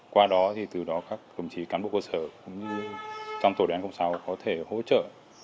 qua đó thì từ đó các đồng chí cán bộ cơ sở cũng như trong tổ đề án sáu có thể hỗ trợ